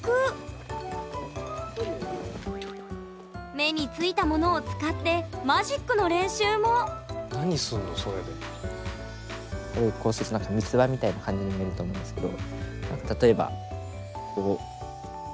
目についたものを使ってマジックの練習もこうしてると何か三つ葉みたいな感じに見えると思うんですけど。